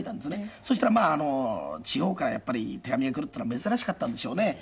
そしたら地方からやっぱり手紙が来るっていうのは珍しかったんでしょうね。